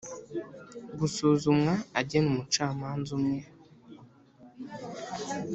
Gusuzumwa agena umucamanza umwe